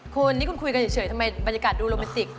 คุณนี่คุณคุยกันเฉยทำไมบรรยากาศดูโรแมนติก